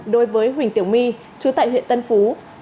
đối với huỳnh tiểu my chú tại huyện tân phú